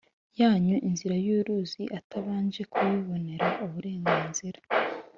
yanyu inzira y’uruzi atabanje kubibonera uburemganzira.